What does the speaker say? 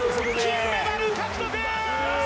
金メダル獲得！